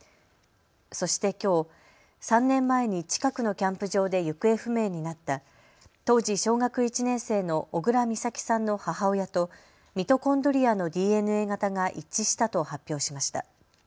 そしてきょう３年前に近くのキャンプ場で行方不明になった当時、小学１年生の小倉美咲さんの母親とミトコンドリアのＤＮＡ型が一致したと発表しました。